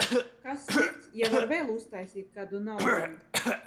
Kas slikts, ja var vēl uztaisīt kādu naudiņu?